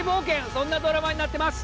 そんなドラマになってます